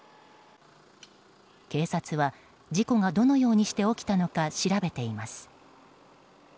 警察は、事故がどのようにして起きたのか調べています。